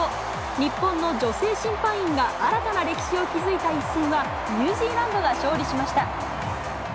日本の女性審判員が新たな歴史を築いた一戦は、ニュージーランドが勝利しました。